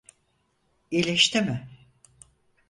İyileşti mi?